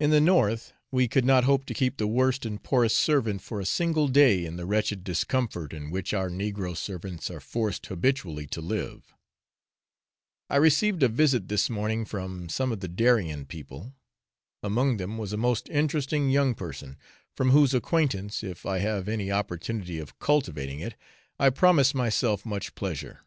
In the north we could not hope to keep the worst and poorest servant for a single day in the wretched discomfort in which our negro servants are forced habitually to live. I received a visit this morning from some of the Darien people. Among them was a most interesting young person, from whose acquaintance, if I have any opportunity of cultivating it, I promise myself much pleasure.